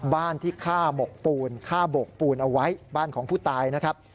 บ้านที่ฆ่าโบกปูนเอาไว้บ้านของผู้ตายนะครับ